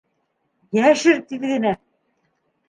Йәшер тиҙ генә!